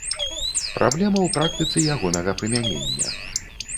Праблема ў практыцы ягонага прымянення.